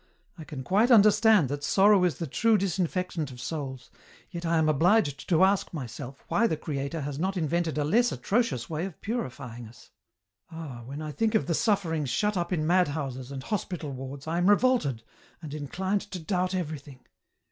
" I can quite understand that sorrow is the true disinfectant of souls, yet I am obliged to ask myself why the Creator has not invented a less atrocious way of purifying us ?" Ah ! when I think of the sufferings shut up in madhouses, and hospital wards, I am revolted, and inclined to doubt everything.